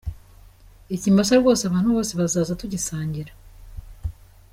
Ikimasa rwose abantu bose bazaza tugisangira.